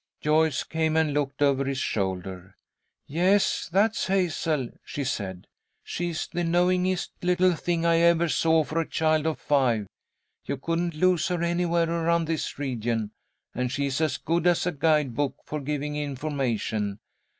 Joyce came and looked over his shoulder. "Yes, that's Hazel," she said. "She's the knowingest little thing I ever saw for a child of five. You couldn't lose her anywhere around this region, and she is as good as a guide book, for giving information.